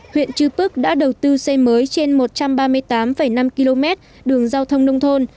huyện chư pức đã đầu tư xây mới trên một trăm ba mươi tám năm km đường giao thông nông thôn